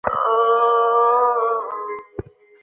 সুচরিতা জিজ্ঞাসা করিল, কবে দিন ঠিক হল?